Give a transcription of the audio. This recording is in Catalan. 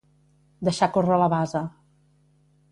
Deixar córrer la basa.